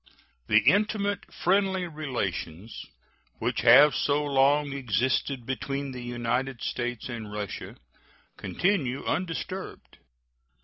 The intimate friendly relations which have so long existed between the United States and Russia continue undisturbed.